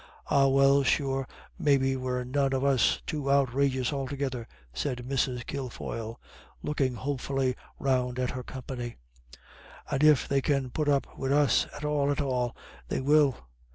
"Ah, well, sure maybe we're none of us too outrageous altogether," said Mrs. Kilfoyle, looking hopefully round at her company. "And if they can put up wid us at all at all, they will.